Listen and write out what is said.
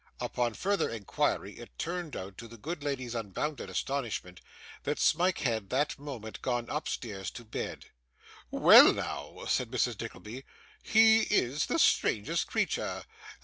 Upon further inquiry, it turned out, to the good lady's unbounded astonishment, that Smike had, that moment, gone upstairs to bed. 'Well now,' said Mrs. Nickleby, 'he is the strangest creature!